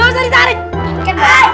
gak usah ditarik